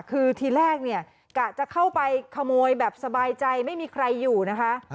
คือทีแรกเนี่ยกะจะเข้าไปขโมยแบบสบายใจไม่มีใครอยู่นะคะ